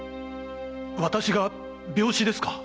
私が病死ですか？